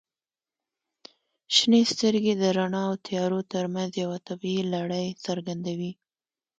• شنې سترګې د رڼا او تیارو ترمنځ یوه طبیعي لړۍ څرګندوي.